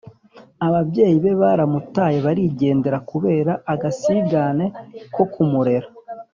ababyeyi be baramutaye barigendera kubera agasigane ko kumurera